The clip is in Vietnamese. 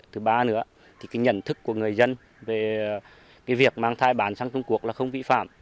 thứ ba nữa nhận thức của người dân về việc mang thai bán sang trung quốc không bị phạm